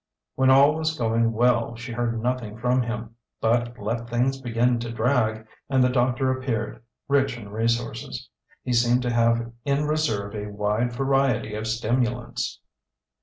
When all was going well she heard nothing from him; but let things begin to drag, and the doctor appeared, rich in resources. He seemed to have in reserve a wide variety of stimulants.